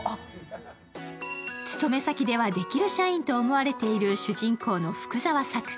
勤め先ではデキる社員と思われてる、主人公の福澤幸来。